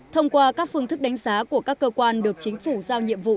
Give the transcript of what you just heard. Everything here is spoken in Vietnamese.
thông qua các phương thức đánh giá của các cơ quan được chính phủ giao nhiệm vụ